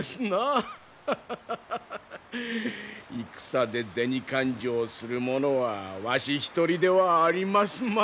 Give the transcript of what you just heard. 戦で銭勘定する者はわし一人ではありますまいに。